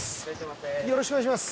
よろしくお願いします。